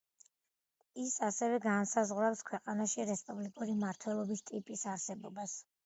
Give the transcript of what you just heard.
ის ასევე განსაზღვრავს ქვეყანაში რესპუბლიკური მმართველობის ტიპის არსებობას.